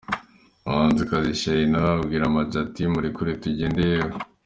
Umuhanzikazi Charly nawe abwira Am G ati: "Murekure tugende yewe.